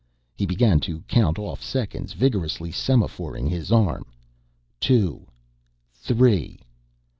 He began to count off seconds, vigorously semaphoring his arm. "... Two ... three